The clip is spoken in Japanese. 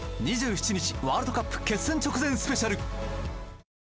２７日、ワールドカップ決戦直前スペシャル。